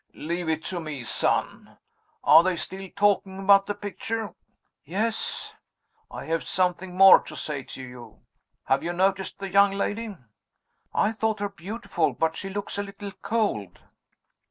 "Leave it to me, son! Are they still talking about the picture?" "Yes." "I have something more to say to you. Have you noticed the young lady?" "I thought her beautiful but she looks a little cold."